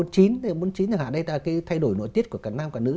thì bốn mươi chín là cái thay đổi nội tiết của cả nam cả nữ